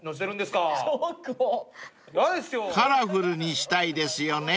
［カラフルにしたいですよね］